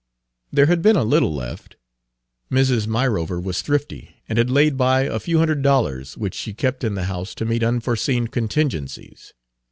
There had been a little left. Mrs. Myrover was thrifty, and had laid by a few hundred dollars, which she kept in the house to meet unforeseen contingencies.